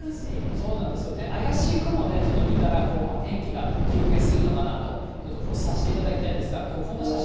そうなんですよ、怪しい雲ね、ちょっと見たら、天気が急変するのかなと、ちょっと察していただきたいんですが。